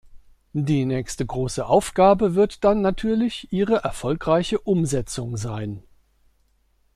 Die nächste große Aufgabe wird dann natürlich ihre erfolgreiche Umsetzung sein.